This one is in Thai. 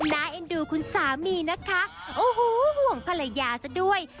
เอ็นดูคุณสามีนะคะโอ้โหห่วงภรรยาซะด้วย